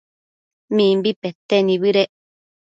Mimbi pete nibëdec